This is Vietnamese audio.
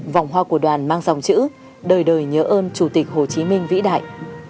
vòng hoa của đoàn mang dòng chữ đời đời nhớ ơn chủ tịch hồ chí minh vĩ đại